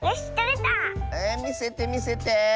えみせてみせて！